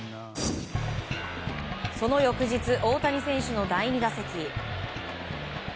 その翌日、大谷選手の第２打席。